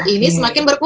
ini semakin berkembang